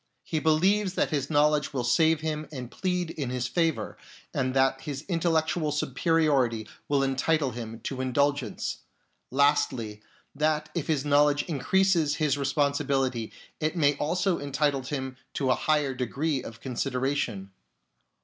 He believes that his knowledge will save him and plead in his favour, and that his intellectual superiority will entitle him to indulgence ; lastly, that if his knowledge increases his responsibility, it may also entitle him to a higher degree of con sideration.